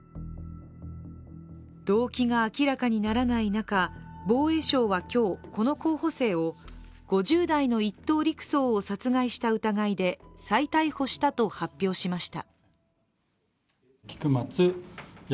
動機が明らかにならない中、防衛省は今日、この候補生を、５０代の１等陸曹を殺害した疑いで再逮捕したと発表しました。